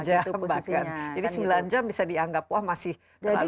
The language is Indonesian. jadi sembilan jam bisa dianggap wah masih terlalu lama ini gitu